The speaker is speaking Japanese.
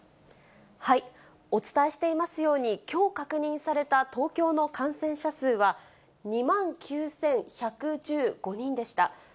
お伝えしていますように、きょう確認された東京の感染者数は、２万９１１５人でした。